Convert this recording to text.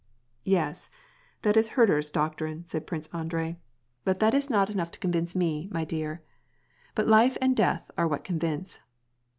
" Yes, that is Herder's doctrine," said Prince Andrei. " But 118 War and pSace. that is not enough to convince me, my dear ; but life and death are what convince.